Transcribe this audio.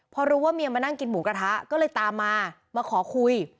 พอรู้ว่าเมียมานั่งกินหมูกระทะก็เลยตามมามาขอคุย